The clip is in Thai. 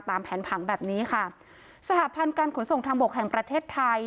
ตามแผนผังแบบนี้ค่ะสหพันธ์การขนส่งทางบกแห่งประเทศไทย